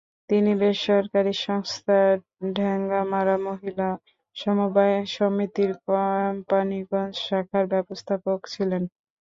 তিনি বেসরকারি সংস্থা ঠেঙ্গামারা মহিলা সমবায় সমিতির কোম্পানীগঞ্জ শাখার ব্যবস্থাপক ছিলেন।